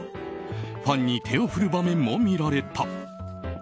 ファンに手を振る場面も見られた。